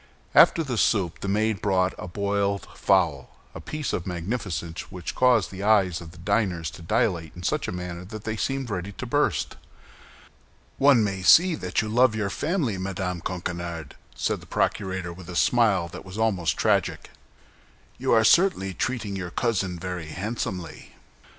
After the soup the maid brought a boiled fowl—a piece of magnificence which caused the eyes of the diners to dilate in such a manner that they seemed ready to burst. "One may see that you love your family, Madame Coquenard," said the procurator, with a smile that was almost tragic. "You are certainly treating your cousin very handsomely!"